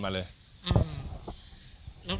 สนั่นเลยครับ